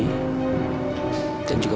nah sudah olla